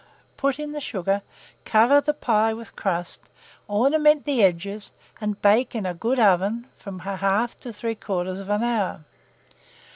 Put in the sugar, cover the pie with crust, ornament the edges, and bake in a good oven from 1/2 to 3/4 hour.